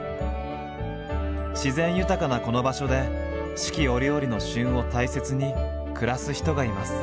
自然豊かなこの場所で四季折々の「旬」を大切に暮らす人がいます。